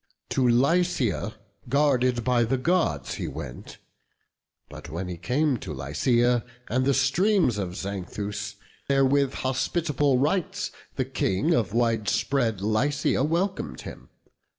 To Lycia, guarded by the Gods, he went; But when he came to Lycia, and the streams Of Xanthus, there with hospitable rites The King of wide spread Lycia welcom'd him.